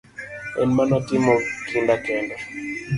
En mana timo kinda kende.